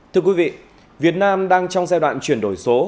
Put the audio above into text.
thưa quý vị việt nam đang trong giai đoạn chuyển đổi số